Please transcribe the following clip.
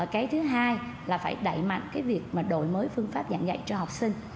cái thứ hai là phải đẩy mạnh việc đổi mới phương pháp dạng dạy cho học sinh